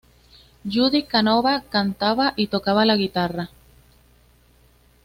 Judy Canova cantaba y tocaba la guitarra.